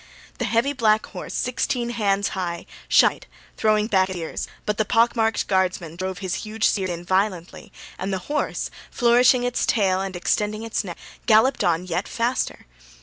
The heavy black horse, sixteen hands high, shied, throwing back its ears; but the pockmarked Guardsman drove his huge spurs in violently, and the horse, flourishing its tail and extending its neck, galloped on yet faster.